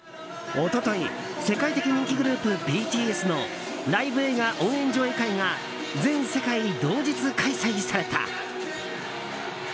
一昨日世界的人気グループＢＴＳのライブ映画応援上映会が全世界同日開催された。